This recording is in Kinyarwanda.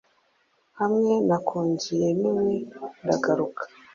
Hamwe na konji yemewe ndagaruka,